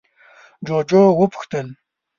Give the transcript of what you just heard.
جُوجُو وپوښتل: